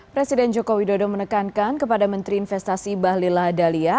presiden jokowi dodo menekankan kepada menteri investasi bahlila dalia